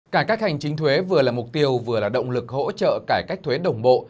cải cách hành chính thuế vừa là mục tiêu vừa là động lực hỗ trợ cải cách thuế đồng bộ